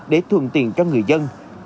để thuận tiền cho người dân